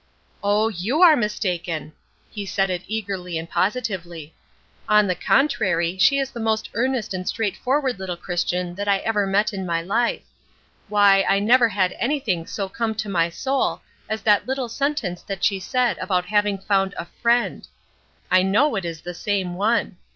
"Oh, you are mistaken." He said it eagerly and positively. "On the contrary, she is the most earnest and straightforward little Christian that I ever met in my life. Why, I never had anything so come to my soul as that little sentence that she said about having found a Friend.' I know it is the same one.